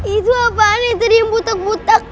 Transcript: itu apaan itu tadi yang butak butak